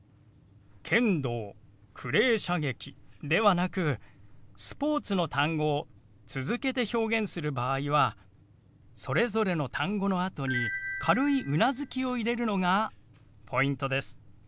「剣道クレー射撃」ではなくスポーツの単語を続けて表現する場合はそれぞれの単語のあとに軽いうなずきを入れるのがポイントです。